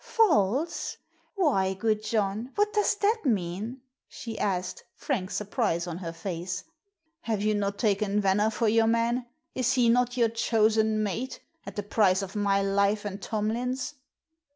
"False? Why, good John, what does that mean?" she asked, frank surprise on her face. "Have you not taken Venner for your man? Is he not your chosen mate, at the price of my life and Tomlin's?"